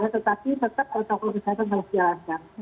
tetapi tetap protokol kesehatan harus dijalankan